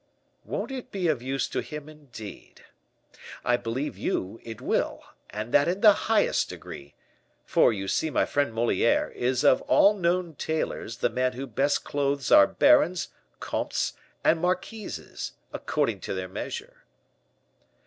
"Won't it be of use to him, indeed? I believe you, it will, and that in the highest degree; for you see my friend Moliere is of all known tailors the man who best clothes our barons, comtes, and marquises according to their measure."